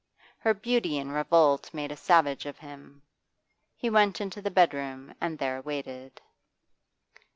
Her beauty in revolt made a savage of him. He went into the bedroom and there waited.